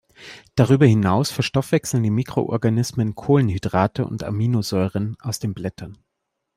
Darüber hinaus verstoffwechseln die Mikroorganismen Kohlenhydrate und Aminosäuren aus den Blättern.